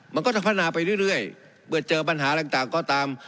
มันก็จะพัฒนาไปเรื่อยเมื่อเจอปัญหาอะไรต่างก็ตาม